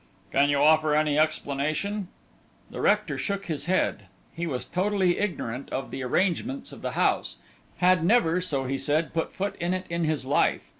"Can you offer any explanation?" The rector shook his head. He was totally ignorant of the arrangements of the house, had never, so he said, put foot in it in his life.